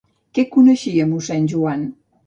Què coneixia mossèn Joan?